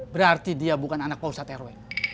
berarti dia bukan anak pak ustadz rw